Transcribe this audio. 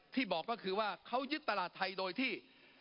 ปรับไปเท่าไหร่ทราบไหมครับ